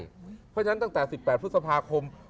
เพราะฉะนั้นตั้งแต่๑๘พฤษภาคม